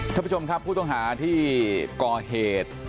ท่านผู้ชมครับผู้ต้องหาที่ก่อเหตุ